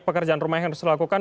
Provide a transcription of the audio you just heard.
pekerjaan rumah yang harus dilakukan